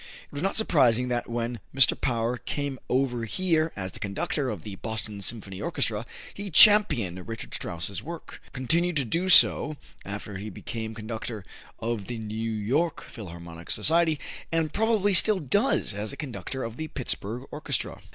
It is not surprising that when Mr. Paur came over here as the conductor of the Boston Symphony Orchestra, he championed Richard Strauss's work, continued to do so after he became conductor of the New York Philharmonic Society, and probably still does as conductor of the Pittsburg Orchestra.